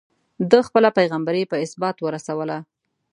ده خپله پيغمبري په ازبات ورسوله.